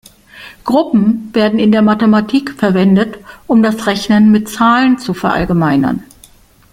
Gruppen werden in der Mathematik verwendet, um das Rechnen mit Zahlen zu verallgemeinern.